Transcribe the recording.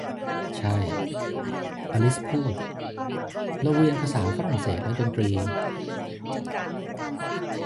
'ใช่' อลิซพูด 'เราเรียนภาษาฝรั่งเศสและดนตรี'